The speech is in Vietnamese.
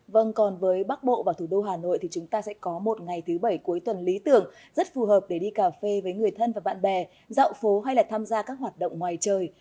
vâng còn với bắc bộ và thủ đô hà nội thì chúng ta sẽ có một ngày thứ bảy cuối tuần lý tưởng rất phù hợp để đi cà phê với người thân và bạn bè dạo phố hay là tham gia các hoạt động ngoài trời